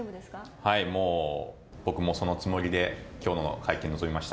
はい、もう僕もそのつもりで、きょうの会見に臨みました。